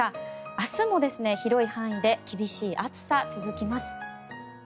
明日も広い範囲で厳しい暑さ続きます。